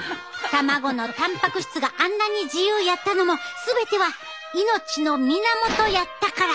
卵のたんぱく質があんなに自由やったのも全ては命の源やったからなんやな。